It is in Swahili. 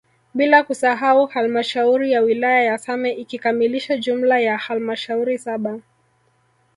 Bila kusahau halmashauri ya wilaya ya Same ikikamilisha jumla ya halmashauri saba